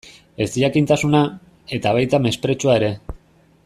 Ezjakintasuna, eta baita mespretxua ere.